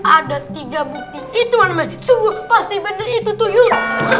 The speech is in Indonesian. ada tiga bukti itu pasti bener itu tuh yuk